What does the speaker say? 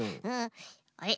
あれ？